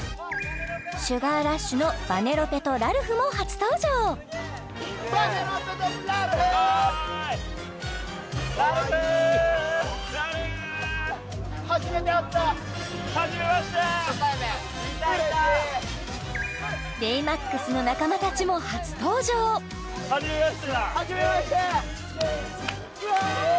「シュガー・ラッシュ」のヴァネロペとラルフも初登場・ラルフ「ベイマックス」の仲間たちも初登場初めましてだフゥ！